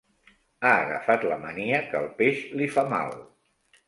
Ha agafat la mania que el peix li fa mal.